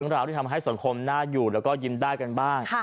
ราวที่ทำให้สังคมน่าอยู่แล้วก็ยิ้มได้กันบ้าง